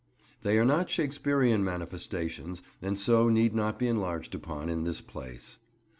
They are not Shakespearean manifestations, and so need not be enlarged upon in this place.